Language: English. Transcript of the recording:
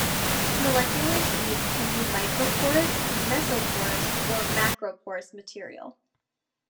Molecular sieves can be microporous, mesoporous, or macroporous material.